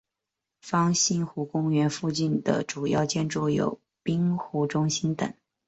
方兴湖公园附近的主要建筑有滨湖中心等。